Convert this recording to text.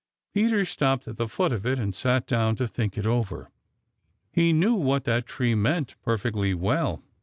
Peter stopped at the foot of it and sat down to think it over. He knew what that tree meant perfectly well.